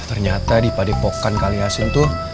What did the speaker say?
ternyata di padek pokan kali asin tuh